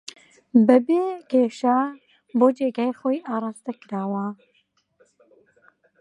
بەبێ کێشە بۆ جێگای خۆی ئاراستەکراوە